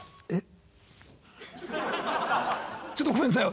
ちょっとごめんなさい。